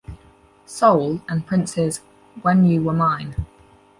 Soul" and Prince's "When You Were Mine".